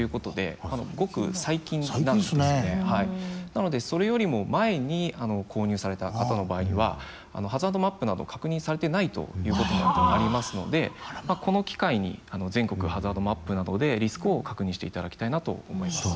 なのでそれよりも前に購入された方の場合にはハザードマップなど確認されてないということもありますのでこの機会に全国ハザードマップなどでリスクを確認していただきたいなと思います。